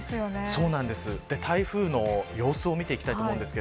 台風の様子を見ていきたいと思います。